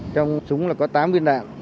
trong súng là có tám viên đạn